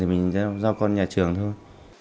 thì mình giao con nhà trường thôi